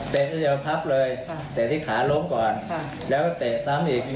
เตะที่เดียวพับเลยเตะที่ขาล้มก่อนแล้วก็เตะซ้ำอีก